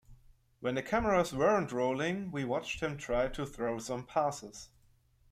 When the cameras weren't rolling we watched him try to throw some passes.